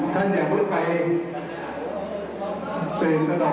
ท่านอย่าพูดไปตื่นตลอดอะไรครับ